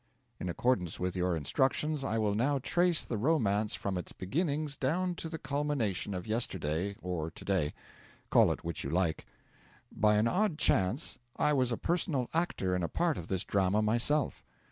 In accordance with your instructions, I will now trace the romance from its beginnings down to the culmination of yesterday or today; call it which you like. By an odd chance, I was a personal actor in a part of this drama myself.